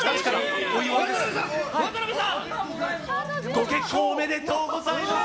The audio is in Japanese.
ご結婚おめでとうございます。